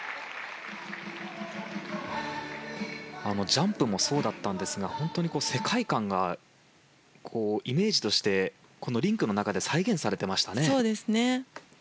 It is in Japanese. ジャンプもそうだったんですが、世界観がイメージとしてリンクの中で再現されていましたね。